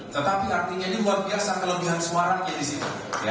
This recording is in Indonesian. tetapi artinya luar biasa kelebihan suara yang di situ